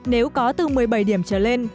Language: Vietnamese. nếu có từ một mươi bảy điểm trở lên